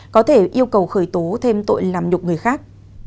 có thể yêu cầu khởi tố thêm tội làm nhục người khác